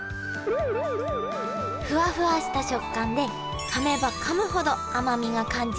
フワフワした食感でかめばかむほど甘みが感じられる。